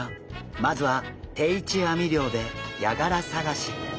まずは定置網漁でヤガラ探し。